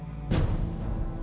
aku mau pulang